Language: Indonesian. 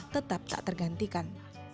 tetap tak tergantikan